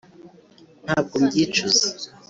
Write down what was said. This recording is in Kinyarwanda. ntabwo mbyicuza